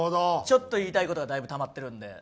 ちょっと言いたい事がだいぶたまってるんで。